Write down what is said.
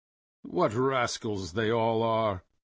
"What rascals they all are!"